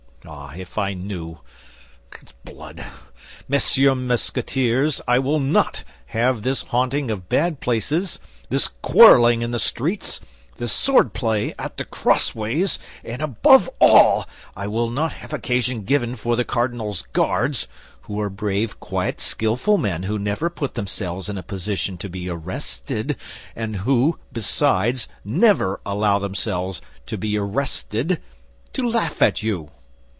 Ah, if I knew! S'blood! Messieurs Musketeers, I will not have this haunting of bad places, this quarreling in the streets, this swordplay at the crossways; and above all, I will not have occasion given for the cardinal's Guards, who are brave, quiet, skillful men who never put themselves in a position to be arrested, and who, besides, never allow themselves to be arrested, to laugh at you!